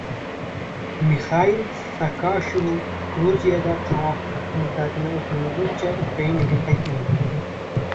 Mixail Saakashvili Gruziyada qamoq muddatini o‘tamaguncha Ukrainaga qaytmaydi